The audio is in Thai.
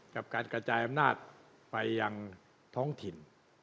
กับการกระจายอำนาจไปยังท้องถิ่น